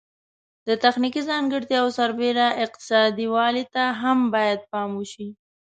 د تخنیکي ځانګړتیاوو سربیره اقتصادي والی ته هم باید پام وشي.